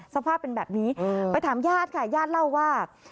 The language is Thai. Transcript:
สภาพเป็นแบบนี้ไปถามญาติค่ะญาติเล่าว่า